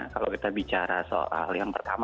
kalau kita bicara soal yang pertama